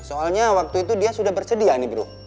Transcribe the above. soalnya waktu itu dia sudah bersedia nih bro